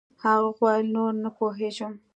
هغه وويل نور نه پوهېږم.